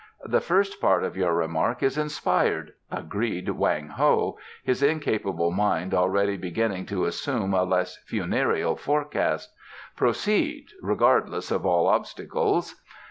"The first part of your remark is inspired," agreed Wang Ho, his incapable mind already beginning to assume a less funereal forecast. "Proceed, regardless of all obstacles."